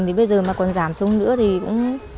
thì bây giờ mà còn giảm xuống nữa thì cũng